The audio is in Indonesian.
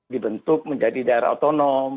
dibentuk menjadi daerah otonom